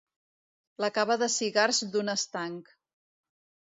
La cava de cigars d'un estanc.